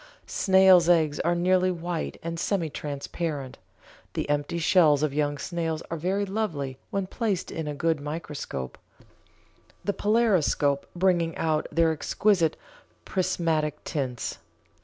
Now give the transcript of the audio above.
Snails' eggs are nearly white and semi transparent; the empty shells of young snails are very lovely when placed in a good microscope: the polariscope bringing out their exquisite prismatic tints.